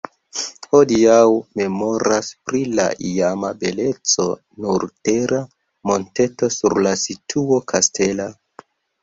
Hodiaŭ memoras pri la iama beleco nur tera monteto sur la situo kastela.